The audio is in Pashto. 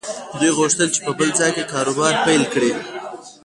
دوی غوښتل چې په بل ځای کې کاروبار پيل کړي.